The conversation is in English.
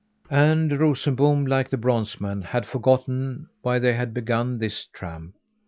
And Rosenbom like the bronze man had forgotten why they had begun this tramp.